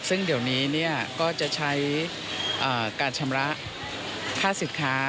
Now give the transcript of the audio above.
ซึ่งเดี๋ยวนี้ก็จะใช้การชำระค่าสินค้า